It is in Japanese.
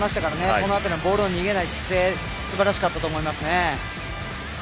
この辺りのボールの逃げない姿勢すばらしかったと思います。